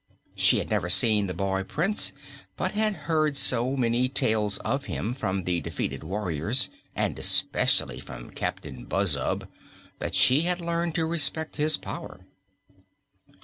She had never seen the boy Prince but had heard so many tales of him from the defeated warriors, and especially from Captain Buzzub, that she had learned to respect his power.